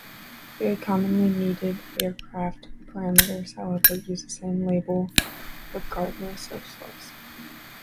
Very commonly needed aircraft parameters, however, use the same label regardless of source.